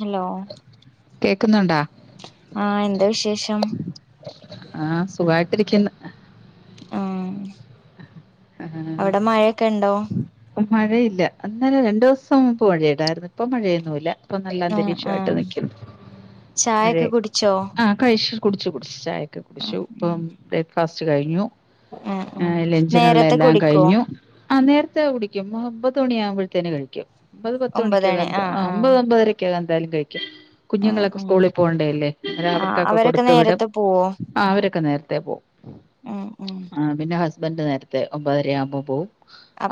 Hello കേക്ക്ന്നുണ്ടോ ആ എന്താ വിശേഷം ആ സുഖായിട്ടിരിക്ക്ന്ന് ആ എ ഹ് ഹ് ഹ് ഇപ്പം മഴയില്ല അന്നേരം രണ്ടു ദിവസം മുമ്പ് മഴയിണ്ടായിരുന്നു ഇപ്പൊ മഴയൊന്നുല്ല ഇപ്പം നല്ല ആഹ് അന്തരീഷായിട്ട് ആഹ് നിക്കുന്നു മഴേ ചായൊക്കെ കുടിച്ചോ ആ കഴിച്ചു കുട്ച്ചു കുട്ച്ചു ചായെക്കെ കുടിച്ചു ആഹ് ഇപ്പം ബ്രേക്ക്ഫാസ്റ്റ് കഴിഞ്ഞു ഉം ആ, ഉം ലഞ്ചിനുള്ള നേരത്തെ എല്ലാം കുടിക്കോ കഴിഞ്ഞു ആ നേരത്തെ കുടിക്കും ഒൻപത് മണിആവുമ്പഴത്തേന് കഴിക്കും ഒമ്പത് പത്ത് ഒമ്പതണി മണിക്കൊക്കെ ആഹ് ആ ആഹ് ഒമ്പത് ഒമ്പരക്കൊക്കെ എന്തായാലും കഴിക്കും ആഹ് കുഞ്ങ്ങളൊക്കെ ഉം സ്കൂളി പോണ്ടെ അല്ലേ അന്നേരം ആഹ് അവർക്കൊക്കെ അവരൊക്കെ കൊടുത്ത് വിടും നേരത്തെ പോവോ ആ അവരൊക്കെ നേര്ത്തെ പോവും ഉം ഉം ആ പിന്നെ ഹസ്ബന്റ് നേരത്തെ ഒമ്പതര ആവുമ്പ പോവും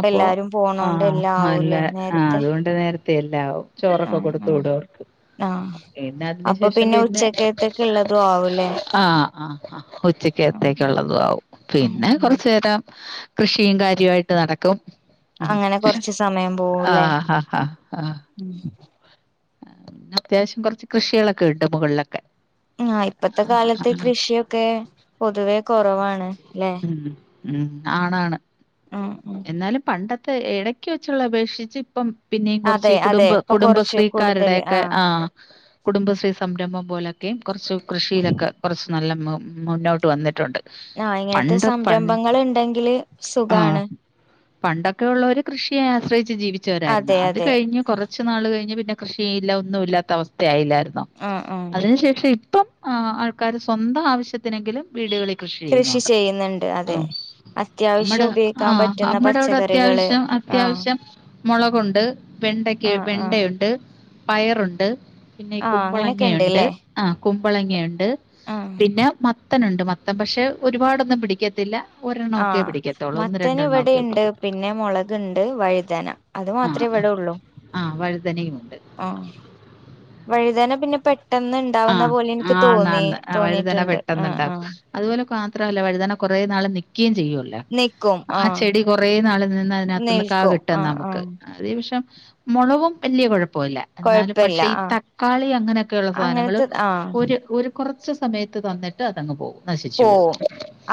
അപ്പൊ എല്ലാരും ആ പോണോണ്ട് എല്ലാം അല്ല ആവൂലേ ആ നേരത്തെ അതുകൊണ്ട് നേര്ത്തെ എല്ലാവും ചോറൊക്കെ ആഹ് കൊടുത്ത് ആഹ് വിടും അവർക്ക് ആഹ് പിന്നെ അതിന് അപ്പൊ ശേഷം പിന്നെ ഉച്ചക്കത്തേക്ക് ഉള്ളതും ആവൂലേ ആ ആ ആ ഉം ഉച്ചക്കത്തേക്കുള്ളതും ആവും പിന്നെ ഉം കൊറച്ചു നേരം കൃഷിയും കാര്യായിട്ട് നടക്കും ഉം അങ്ങനെ കൊറച്ച് സമയം ആ പോവൂലേ ഹാ ഹാ ഹ ഉം പിന്നെ അത്യാവശ്യം കൊർച്ച് കൃഷികളൊക്കെ ഇണ്ട് മൊകൾലൊക്കെ ആ ഇപ്പത്തെ കാലത്ത് കൃഷിയൊക്കെ പൊതുവേ കോറവാണ് ലെ ഉം ഉം ആണാണ് ഉം ഉം ന്നാലും പണ്ടത്തെ എടക്ക് വെച്ചുള്ള അപേക്ഷിച്ച് ഇപ്പം പിന്നേം അതെ കൊർച്ച് അതെ കുടുംബ ഇപ്പൊ കൊറച്ച് കൂടുതല് കുടുംബശ്രീകാരുടെക്കെ ആ കുടുംബശ്രീ സംരംഭം പോലക്കെ കൊർച്ച് കൃഷിയിലൊക്കെ കൊർച്ച് നല്ല ഉം മുന്നോട്ട് വന്നിട്ടുണ്ട് ആ ഇങ്ങനത്തെ പണ്ട് പണ്ട് സംരംഭങ്ങള് ഇണ്ടെങ്കില് ആ സുഖാണ് പണ്ടൊക്കെ ഉള്ളവര് കൃഷിയെ ആശ്രയിച്ച് ജീവിച്ചവരായിരുന്നു അതെ അത് അതെ കഴിഞ്ഞ് കൊർ ച് നാള് കഴിഞ്ഞ് പിന്നെ കൃഷിഴില്ല ഒന്നും ഇല്ലാത്ത അവസ്ഥയായില്ലായിരുന്നോ ആ ആ അതിനു ശേഷം ഇപ്പം ആ ആൾക്കാര് സ്വന്തം ആവശ്യ ത്തിനെങ്കിലും വീടുകളിൽ കൃഷി ചെയ്യുന്നുണ്ട്. ചെയ്യുന്നുണ്ട് ആ അതെ നമ്മുടെ അത്യാവശ്യം ഉപയോഗിക്കാൻ ആഹ് പറ്റുന്ന നമ്മുടെ അവിടെ പച്ചക്കറികള് അത്യാവശ്യം ആ അത്യാവശ്യം മുളകുണ്ട് വെണ്ടക്ക് ആ ആ വെണ്ടെണ്ട്. ഉണ്ട് പയറുണ്ട് പിന്നെ ആ അങ്ങനെയൊക്കെ കുമ്പളങ്ങയുണ്ട്. ഇണ്ട്ല്ലേ ആഹ് കുമ്പളങ്ങയുണ്ട്. ആ പിന്നെ മത്ത മത്തനുണ്ട് മത്തൻ പക്ഷെ ഒരുപാടൊന്നും പിടിക്കത്തില്ല. ആ ഒരെണ്ണോക്കെ പിടിക്കത്തുള്ളൂ ഒന്ന് രണ്ട മത്തന് ഇവിടെണ്ട് പിന്നെ മുളക്ണ്ട് വഴുതന അത് ആ മാത്രേ ഇവിടെ ഉള്ളൂ. ആ വഴുതനയുണ്ട്. ആ വഴുതന പിന്നെ പെട്ടെന്ന്ണ്ട്. ആ ണ്ടാവുന്ന പോലെ ആ എനിക്ക് ആന്ന് തോന്നി ആന്ന് ആ വഴുതന തോന്നിയിട്ടുണ്ട് ആഹ് പെട്ടെന്നുണ്ടാവും ആഹ് അതുപോലെ മാത്രമല്ല വഴുതാന കൊറൊനാള് നിക്കിം ചെയും. നിക്കും ആ ആഹ് ചെടി കൊറേ നാള് നിന്ന് അതിനകത്ത്ന്ന് ക്ക നിൽക്കും കിട്ടും ആഹ് നമുക്ക്. ആഹ് അതേപക്ഷം മുളകും വലിയ കൊഴപ്പോല്ല എന്നാലും കൊഴപ്പില്ല പക്ഷെ ഈ ആഹ് തക്കാളി അങ്ങനെയൊക്കെയുള്ള. സാധനങ്ങള് അങ്ങനത്തെ ആഹ് ഒരു ഒരു കുറച്ച് സമയത്ത് തന്നിട്ട് അതങ്ങ് പോവും നശിച്ചു പോവും.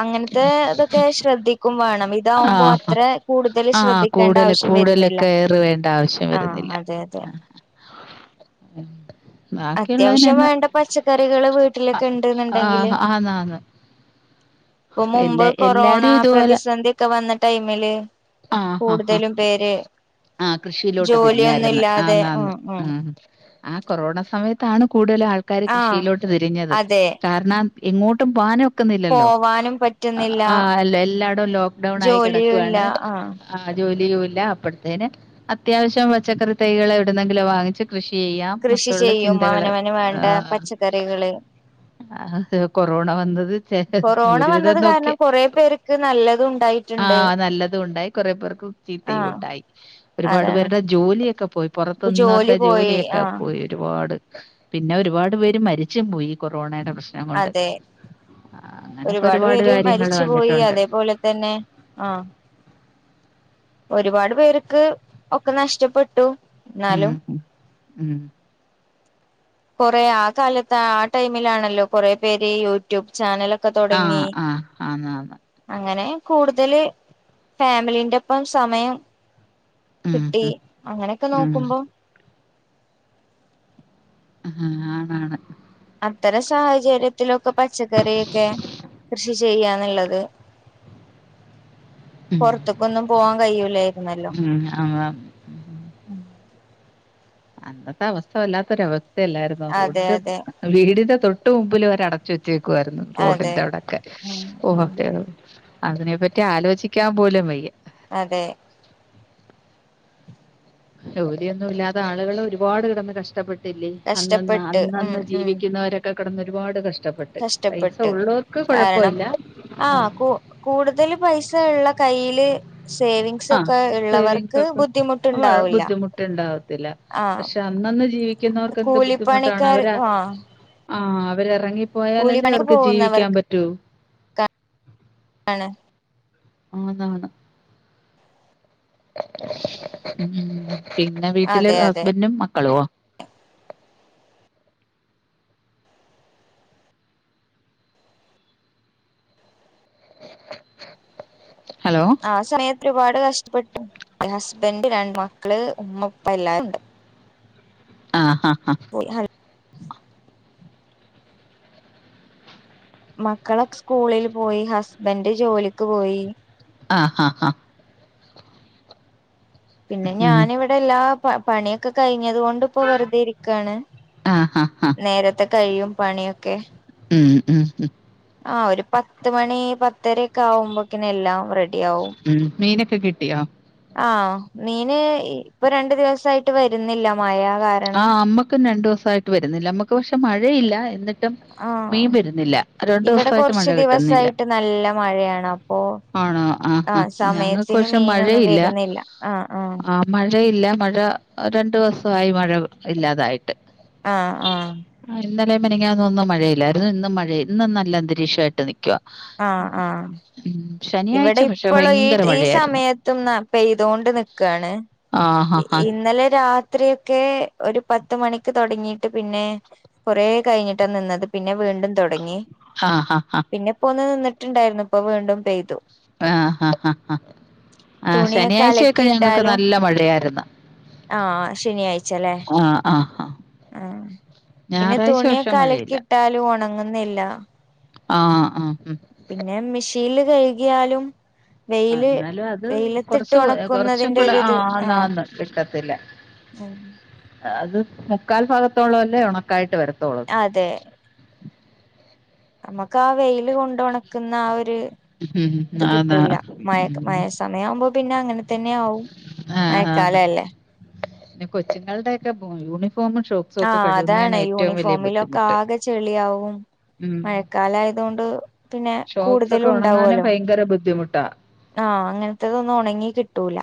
അങ്ങനത്തെ ഇതൊക്കെ ശ്രദ്ധിക്കും വേണം. ഇതാവുമ്പോ ആഹ് അത്ര കൂടുതൽ ആഹ് ശ്രദ്ധിക്ക കൂടുതൽ കൂടുതല് കെയർ വേണ്ട ആവശ്യം ആഹ് വരുന്നില്ല. അതെ അതെ ആഹ് അത്യാവശ്യം വേണ്ട പച്ചക്കറികള് വീട്ടിലൊക്കെ ഉണ്ട്ന്ന്ണ്ടെങ്കില്. ആഹ് ആന്ന് ആന്ന് ഇപ്പം മുമ്പ് എല്ലാ കൊറോണ എല്ലാരും ഇതുപോലെ പ്രതിസന്ധിക്കെ വന്ന ടൈമില്. ആഹ് ആഹ് കൂടുതലും പേര്. ആഹ് കൃഷിയിലോട്ട് തിരിഞ്ഞര്ന്ന് ആന്ന് ആന്ന് ഉം. ആ കൊറോണ സമയത്താണ് കൂടുതലും ആൾക്കാര് ആഹ് കൃഷിയിലോട്ട് തിരിഞ്ഞത്. അതെ കാരണം കൻ എങ്ങോട്ടും പോകാനുഒക്കെ. ക്കുന്നില്ലല്ലോ പോവാനും പറ്റുന്നില്ല ആ എല്ലായിടോം ലോക്ക്ഡൗൺ ആയി കിടക്കുവാണ്. ആഹ് ജോലിയൂല്ല അപ്പഴത്തേന് അത്യാവശ്യം പച്ചക്കറി തൈകൾ എവിടുന്നെങ്കിലോ വാങ്ങിച്ച്. കൃഷി ചെയ്യാം കൃഷി ന്നൊക്കെയുള്ള ചെയ്യും ചിന്തകള് അവനവന് വേണ്ട ആഹ് പച്ചക്കറികള് ആ കൊറോണ വന്നത് ചേ ഒരുവിധം നോക്കിയ ക്ക് നല്ലതുംണ്ടായിട്ടുണ്ട്. അതുണ്ടായി കൊറേ പേർക്ക്. ചീത്തയും ഉണ്ടായി ഒരുപാട് അതാണ് പേരുടെ ജോലിയൊക്കെ പോയി. പുറത്ത് ഇപ്പൊ ജോലി നിന്നവരുടെ പോയി ജോലിയൊക്കെ ആഹ് പോയി. ഒരുപാട് പിന്നെ ഒരുപാട് പേര് മരിച്ചും പോയി. കൊറോണയുടെ പ്രശ്നം കൊണ്ട്. അതെ അങ്ങനെയൊക്കെ ഒരുപാട് പേര് കാര്യങ്ങൾ മരിച്ചു പോയി കണ്ടിട്ടുണ്ട്. അതേപോലെ തന്നെ ആഹ് ഒരുപാട് പേർക്ക് ഒക്കെ നഷ്ടപ്പെട്ടു. എന്നാലും മ്മ്ഹ് മ്മ്ഹ് കൊറേ ആ കാലത്ത് ആ ടൈമിലാണല്ലോ. കൊറേ പേര് യൂട്യൂബ് ചാനലൊക്കെ ഒക്കെ തുടങ്ങി. ആഹ് ആഹ് ആന്ന് ആന്ന് അങ്ങനെ കൂടുതല് ഫാമിലിന്റൊപ്പം സമയം. ഉം കിട്ടി ഉം അങ്ങനെയൊക്കെ ഉം നോക്കുമ്പോ. അഹ് ആണാണ്. അത്തരം സാഹചര്യത്തിലൊക്കെ പച്ചക്കറിയൊക്കെ കൃഷി ചെയ്യാന്ന്ള്ളത്. ഉം പൊറത്തക്കൊന്നും പോവാൻ കയ്യൂലായിരുന്നല്ലോ. മ്മ്ഹ് ആഹ് അം അന്നത്തെ അവസ്ഥ വല്ലാത്തൊരവസ്ഥയല്ലായിരുന്നോ അതെ റോഡിന്റെ അതെ വീടിന്റെ തൊട്ട് മുമ്പിൽ വരെ അട വച്ചേക്കുവായിരുന്നു അതെ റോഡിന്റെ അവിടൊക്കെ ഉം ഓഹ്. ഉം അതിനെപ്പറ്റി ആലോചിക്കാൻ പോലും വയ്യ അതെ ജോലി ഒന്നുമില്ലാതെ ആളുകൾ ഒരുപാട് കിടന്ന് കഷ്ടപ്പെട്ടു അന്ന് കഷ്ടപ്പെട്ട് ഉം അന്നന്ന് ഉം ജീവിക്കുന്നവരൊക്കെ കിടന്ന് ഒരുപാട് കഷ് ഇഷ്ടപ്പെട്ട്, പൈസ കഷ്ടപ്പെട്ട് ഒള്ളോർക്ക് കൊഴപ്പവില്ല ആഹ്. കൂടുതല് പൈസ ഇള്ള കയ്യില് സേവിങ്സ് ആഹ് ഒക്കെ സേവിങ്സ് ഉള്ളവർക്ക് ഒക്കെ, വഴ ബുദ്ധിമുട്ടുണ്ടാവില്ല ബുദ്ധിമുട്ട്ണ്ടാവത്തില്ല. ആ ക്ഷെ അന്നന്ന് ജീവിക്കുന്നോർക്കെന്ത് ബുദ്ധിമുട്ടാണ് കൂലിപ്പണിക്കാർ അവര് ആ ആഹ് അവരെറങ്ങിപ്പോയാലല്ലേ കൂലിപ്പണിക്ക് അവർക്ക് ജീവിക്കാൻ പോകുന്നവർക്കാണ് പറ്റൂ. [inaudible] [unintelligible] ഉം പിന്നെ വീട്ല് അതെ അതെ ഹസ്ബെന്റും മക്കളൊ ഹലോ? ആ സമയത്ത് ഒരുപാട് കഷ്ടപ്പെട്ട് ഹസ്ബൻ്റ രണ്ട് മക്കള് ഉമ്മ ഉപ്പ എല്ലാരുണ്ട്. ആഹാഹാ. [inaudible] മക്കളൊക്കെ സ്കൂളില് പോയി ഹസ്ബൻഡ് ജോലിക്ക് പോയി. ആഹാഹ. പിന്നെ ഉം ഞാനിവിടെ എല്ലാ പണിയൊക്കെ കഴിഞ്ഞത് കൊണ്ട്പ്പോ വെറുതേരിക്കാണ്. ആഹ് ഹാ ഹാ നേരത്തെ കഴിയും പണിയൊക്കെ ഉം ഉം ഉം. ആഹ് ഒരു പത്ത് മണി പത്തരൊക്കെ ആവുമ്പോക്കനെ എല്ലാം റെഡി ആവും. ഉം മീനൊക്കെ കിട്ടിയോ? ആഹ് മീന് ഇപ്പൊ രണ്ട് ദിവസായിട്ട് വരുന്നില്ല മഴ കാരണം ആഹ് അമ്മക്കും രണ്ടോസായിട്ട് വരുന്നില്ല അമ്മക്ക് പക്ഷെ മഴയില്ല എന്നി ആ മീൻ വരുന്നില്ല ഇവിടെ രണ്ടോസായിട്ട് മഴ കുറച്ച് കിട്ടുന്നില്ല. ദിവസായിട്ട് നല്ല മഴയാണ് അപ്പൊ ആണോ ആഹ് ആഹ് ഞങ്ങക്ക് സമയത്തിന് പക്ഷെ മീനൊന്നും മഴേയില്ല വരുന്നില്ല ആഹ് ആഹ് മഴയില്ല മഴ രണ്ടോസവായി മഴ ഇല്ലാതായിട്ട്. ആഹ് ആഹ്. ആഹ് ഇന്നലേം മെനങ്ങന്നു ഒന്നും മഴയില്ലായിര്ന്നു ഇന്ന് മഴ ഇന്ന് നല്ല അന്തരീക്ഷവായിട്ട് നിക്കുവാ. ആഹ് ആഹ്. ഉം. ഇവടെ ശനിയാഴ്ച പക്ഷെ ഇപ്പളും ഈ ഭയങ്കര ഈ മഴയായിരുന്നു. സമയത്തും പെയ്തൊണ്ട് നിക്ക്വാണ്. ആഹാഹാ! ഇന്നലെ രാത്രി ഒക്കെ ഒര് പത്ത് മണിക്ക് തൊടങ്ങീട്ട് പിന്നെ കൊറേ കഴിഞ്ഞ്ട്ടാ നിന്നത് പിന്നെ വീണ്ടും തുടങ്ങി. ഹാ ഹ ഹ. പ്പൊന്ന് നിന്നിട്ട്ണ്ടായിര്ന്നു ഇപ്പൊ വീണ്ടും പെയ്തു. ആഹ് ഹ ഹ ഹ. ആഹ് തുണിയൊക്കെ ശനിയാഴ്ച്ചയൊക്കെ ഞങ്ങക്ക് അലക്കിയിട്ടാലും നല്ല മഴയായിര്ന്ന്. ആഹ് ശനിയാഴ്ചല്ലേ ആഹ് പിന്നെ ഞായറാഴ്ച പക്ഷെ തുണ്യൊക്കലക്കി മഴയില്ല. ട്ടാലും ഒണങ്ങുന്നില്ല. ആഹ് ആഹ് ഹും. പിന്നെ മെഷീന്ല് കെഴ്കിയാലും ആ, വെയില് എന്നാലും അത് വെയ്ലത്തിട്ട് കുറച്ച് കുറച്ചും ഒണക്കുന്നതിന്റെ കൂടെ ആ, ഒര്ത് ആഹ് [inaudible] ആന്നാന്ന് കിട്ടത്തില്ല. അത് മുക്കാൽ ഭാഗത്തോളം അല്ലേ ഒണക്കായിട്ട് വരത്തൊള്ളു അതെ. അമ്മക്ക് ആ വെയില് കൊണ്ടൊണക്കുന്ന ആ ഒരു ഉം. ഇത് ആന്ന്. കിട്ടൂല്ല മഴ ഉം. സമയാവുമ്പോ പിന്നെങ്ങനെ തന്ന്യാവും. ആഹ് ഹാ പിന്നെ കൊച്ച്ങ്ങള്ടെ ഒക്കെ യൂണിഫോമ് ഷോ സു ഒക്കെ ആഹ് കഴുകുന്നേണ് അതാണ് ഏറ്റവും വലിയ യൂണിഫോമിലൊക്കെ ബുദ്ധിമുട്ട്. ആകെ ചെളിയാവും ഉം മഴക്കാലായതുകൊണ്ട് പിന്നെ ഷോക്സൊക്കെ കൂടുതലും ഒണങ്ങാനും ഉണ്ടാവുമല്ലോ ഭയങ്കര ബുദ്ധിമുട്ടാ. ആഹ് അങ്ങൻത്തതൊന്നും ഒണങ്ങി കിട്ടൂല.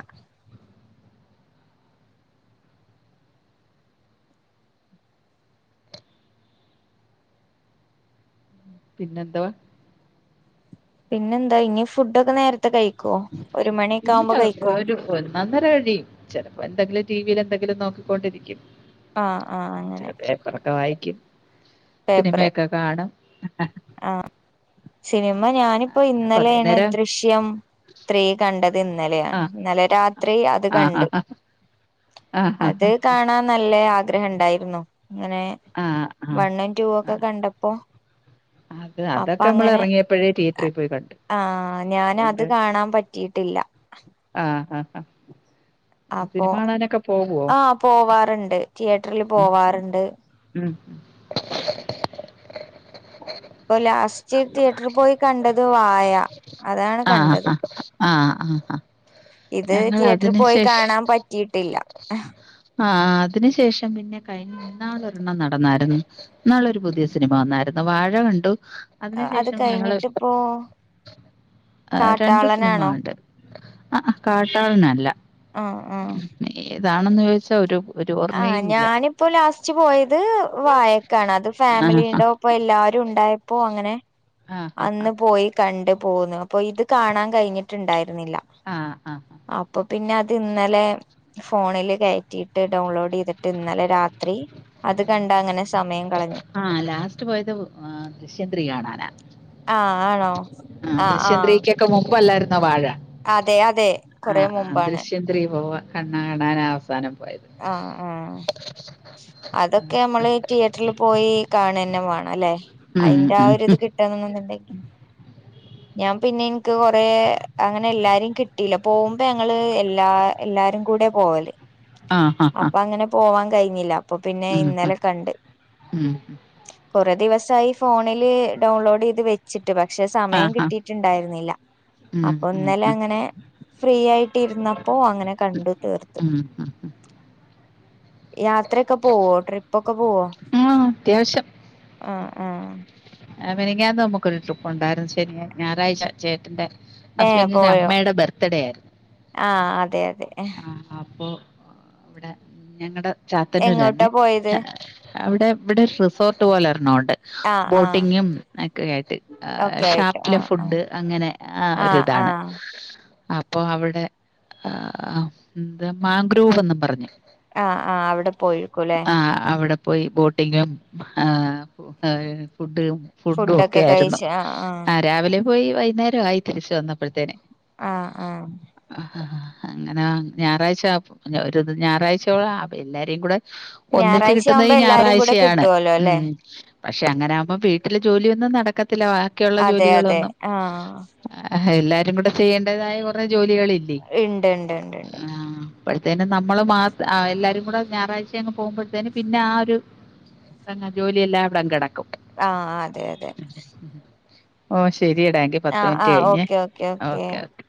പിന്നെന്തുവാ? പിന്നെന്താ ഇനി ഫുഡൊക്കെ നേരത്തെ കഴിക്കുവോ ഒരു മണിയൊക്കെ ആവുമ്പോ കഴിക്കുവോ? ഒ നന്നര ഴിയും ചെലപ്പോ ന്തെങ്കിലും ടി വിയിൽ എന്തെങ്കിലും നോക്കിക്കൊണ്ടിരിക്കും. ആ ആ അങ്ങനെ. ഇടക്കെ വായിക്കും സിനിമേക്കെ കാണും ആ സിനിമ ഞാനിപ്പെ അങ്ങനെ കുറേ ഇന്നലെയാണ് നേരം ദൃശ്യം ഇത്രേം കണ്ടത് ആ ഇന്നലെയാണ് ഇന്നലെ രാത്രി അത് ആ ആ കണ്ട്. ആ ആ അത് ആ കാണാൻ നല്ലേ ഹം ഉണ്ടായിരുന്നു അങ്ങനെ ആ ആ വണ്ണും ആ ടുവുമൊക്കെ കണ്ടപ്പോ അത് അപ്പ അതൊക്കെ നമ്മൾ അങ്ങനെ ഇറങ്ങിയപ്പോഴേ തിയേറ്ററിൽ പോയി കണ്ടു ആ ഞാനത് അതുകൊണ്ട് കാണാൻ പറ്റിട്ടില്ല. ആ ആ ആ അപ്പൊ സിനിമാ കാണാനൊക്കെ പോകുവോ ആ പോവാറ്ണ്ട് തിയേറ്ററിൽ ഉം പോവാറ്ണ്ട്. ഉം. ഇപ്പൊ ലാസ്റ്റ് തിയേറ്ററി പോയി കണ്ടത് വായ അതാണ് കണ്ടത്. ആആ ആ ഇത് ഞങ്ങൾ തിയേറ്ററി അതിന് പോയി ശേഷം കാണാൻ പറ്റീട്ടില്ല. ആ അതിനു ശേഷം പിന്നെ കഴിഞ്ഞ നാള് ഒരെണ്ണം നടന്നായിരുന്നു നാളൊരു പുതിയ സിനിമ വന്നായിരുന്നു വാഴ കണ്ടു. അതിനു അത് ശേഷം ഞങ്ങള് [inaudible] കഴിഞ്ഞിട്ടിപ്പോ രണ്ട് സിനിമ കാട്ടാളനാണോ കണ്ടു. ആ കാട്ടാളനല്ല. ആ ആ. ഏതാണെന്ന് ചോദിച്ചാ ഒരു ഒരു ആ ഓർമ്മയുമില്ല ഞാനിപ്പോൊ ലാസ്റ്റ് പോയത് വായക്കാണ് അത് ആ ഫാമിലിടെ ഇപ്പൊ ല്ലാവാരു ഉണ്ടായപ്പോ അങ്ങനെ ആ ആ അന്ന് പോയി കണ്ട് പോന്നു അപ്പൊ ഇത് കാണാൻ കഴിഞ്ഞിട്ടുണ്ടായിരുന്നില്ല. ആ ആ അപ്പൊ പിന്നെ അത് ഇന്നലെ ഫോണില് കേറ്റീട്ടു ഡൗൺലോഡ് ചെയ്തി ഇന്നലെ രാത്രി അത് കണ്ടങ്ങനെ ആ ലാസ്റ്റ് പോയത് ദൃശ്യ ത്രീ കാണാനാ. ആഹ് ആണോ ആ ആഹ് ആഹ് ദൃശ്യത്രീക്കൊക്കെ മുമ്പല്ലായിരുന്നോ വാഴ. അതെ അതെ. ആ കൊറെ ആ മുമ്പാണ് ദൃശ്യത്രീ പോവാ കണ്ണാ കണാന [unintelligible] അവസാനം പോയ്യേ ആ ആ അതൊക്കെ നമ്മള് തിയേറ്ററിൽ പോയി കാണന്നെ വേണ്ണോല്ലേ ഉം അയിന്റെ ഉം ആഒരിത് ഉം കിട്ടണനൊണ്ടെകിൽ. ഞാൻ പിന്നെ എനിക്ക് കൊറെേ അങ്ങനെ എല്ലാരേം കിട്ടീല്ല പോവുമ്പേ ഞങ്ങള് എല്ലാ എല്ലാരും കൂടെ പോവല്. ആ ആ ആ അപ്പൊ അങ്ങനെ പോവാൻ കഴിഞ്ഞില്ല അപ്പൊ പിന്നെ ഉം ഉം ഇന്നലെ കണ്ട്. ഉം കുറെ ദിവസായി ഫോണില് ഡൗൺലോഡ് ചെയ്ത് വെച്ചിട്ട് പക്ഷെ ആ സമയം ആ കിട്ടിയിട്ടുണ്ടായിരുന്നില്ല. ഉം അപ്പൊ ഉം ഇന്നലെ ഉം അങ്ങനെ ഫ്രീ ആയിട്ടിരുന്നപ്പോ അങ്ങനെ കണ്ടു തീർത്തു. ഉം ഉം യാത്രയൊക്കെ പോവോ ട്രിപ്പൊക്കെ പോവോ ഉം ആഹ് അത്യാവശ്യം ഉം ഉം. മിനിഞ്ഞാന്ന് നമ്മുക്കൊരു ട്രിപ്പ് ഉണ്ടായിരുന്നു ശനി ഞായറാഴ്ച ചേട്ടന്റെ. ഏ ഹസ്ബൻഡിന്റെ പോയോ അമ്മേടെ ബർത്ത്ഡേയായിരുന്നു. ആഹ് അതെ അതെ. അപ്പൊ ഇവിടെ ഞങ്ങടെ ചാത്തന്നൂർ എങ്ങോട്ടാ തന്നെ പോയത് അവിടെ ഇവിടെ റിസോർട്ട് പോലെ ഒരണൊണ്ട്. ആഹ് ആഹ് ബോട്ടിങ്ങും ഒക്കെയായിട്ടു ഒക്കെ ആയിട്ട് ഷാപ്പിലെ ആഹ് ആഹ് ഫുഡ് അങ്ങനെ ആ ആഹ് ഒരിതാണ്. ആഹ് അപ്പൊ അവിടെ ആഹ് എന്ത മാഗ്രൂവും എന്ന് പറഞ്ഞ്. ആഹ് ആഹ് അവിടെ പോയിരിക്കുല്ലേ. ആ അവിടെ പോയി ബോട്ടിങ്ങും ആഹ് ഫുഡും. ഫുഡും ഒക്കെ ഫുഡൊക്കെ ആയിരുന്നു കഴിച്ച് ആഹ് ആ ആഹ് രാവിലെ പോയി വൈകുന്നേര ആയി തിരിച്ചു വന്നപ്പോഴത്തേന് ആഹ് ആഹ് അങ്ങന ഞായറാഴ്ച ഒരു ഞായറാഴ്ചയോള എല്ലാരേയും കൂടെ ഒന്നിച്ചു ഞായറാഴ്ച കിട്ടുന്നത് ആവുമ്പോ ഈ എല്ലാരും കൂടെ ഞായറാഴ്ചയാണ് കിട്ടുവല്ലോ അല്ലെ ഉം പക്ഷെ അങ്ങനെ ആകുമ്പോ വീട്ടിലെ ജോലിയൊന്നും നടക്കത്തില്ല ബാക്കിയുള്ള അതെ അതെ ജോലികളൊന്നും ആഹ് എല്ലാരും കൂടെ ചെയ്യേണ്ടതായ കുറെ ജോലികള് ഇല്ലേ ഇണ്ട് ഇണ്ട് ഇണ്ട് ഇണ്ട് അപ്പോഴത്തേനും നമ്മള് മാത്രം എല്ലാരും കൂടെ ഞായറാഴ്ച അങ്ങ് പോകുമ്പോഴത്തേനും പിന്നെ ആ ഒരു [unintelligible] ജോലി എല്ലാവിടെ കെടക്കും ആഹ് അതെ അതെ ഓ ശെരി ടാ എങ്കി പത്ത് ആഹ് മിനിറ്റ് ആഹ് കഴിഞ്ഞേ ഓക്കെ ഓക്കെ ഓക്കേ ഓക്കെ